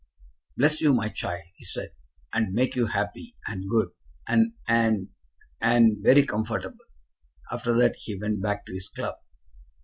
"Bless you, my child!" he said, "and make you happy, and good, and and and very comfortable." After that he went back to his club.